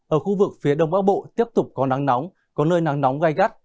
ở khu vực phía đông bắc bộ tiếp tục có nắng nóng có nơi nắng nóng gai gắt